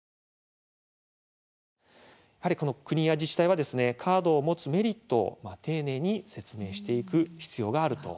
やはり国や自治体はカードを持つメリットを丁寧に説明していく必要があると思います。